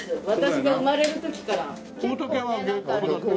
私が生まれる時から。